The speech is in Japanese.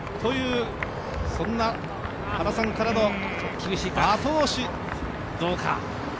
そんな原さんからの後押し、どうか。